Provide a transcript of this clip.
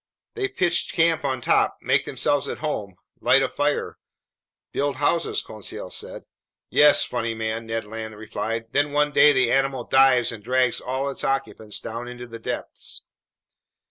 They pitch camp on top, make themselves at home, light a fire—" "Build houses," Conseil said. "Yes, funny man," Ned Land replied. "Then one fine day the animal dives and drags all its occupants down into the depths."